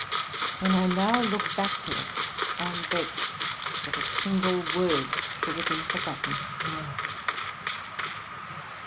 When I now look back to it, I am vexed that a single word should have been forgotten.